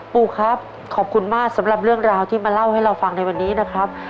ปูครับขอบคุณมากสำหรับเรื่องราวที่มาเล่าให้เราฟังในวันนี้นะครับ